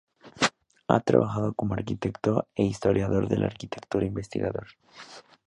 Ha trabajado como arquitecto e historiador de la arquitectura investigador.